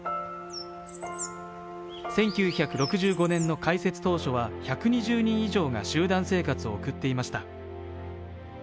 １９６５年の開設当初は、１２０人が集団生活を送っていました。